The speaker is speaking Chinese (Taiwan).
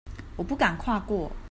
我不敢跨過